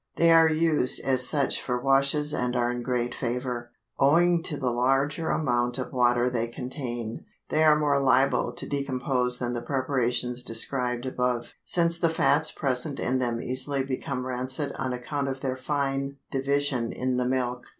They are used as such for washes and are in great favor. Owing to the larger amount of water they contain, they are more liable to decompose than the preparations described above, since the fats present in them easily become rancid on account of their fine division in the milk.